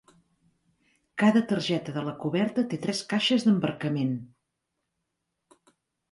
Cada targeta de la coberta té tres caixes d'embarcament.